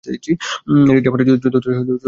এটি জাপানের চতুর্থ সর্বোচ্চ জনবহুল শহর।